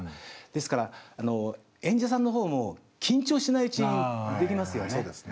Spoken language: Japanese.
ですから演者さんのほうも緊張しないうちにできますよね。